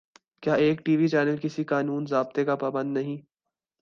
کیا ایک T V channel کسی قانون ضابطے کا پابند نہیں؟